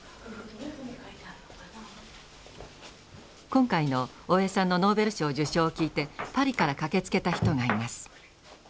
今回の大江さんのノーベル賞受賞を聞いてパリから駆けつけた人がいます。